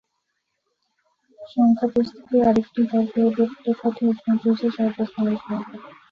সংখ্যা পুস্তকে আরেকটি হর পর্বতের কথা উল্লেখ করা হয়েছে, যার অবস্থান ইসরায়েল ভূমির উত্তর সীমান্তে উল্লেখ করা হয়েছে।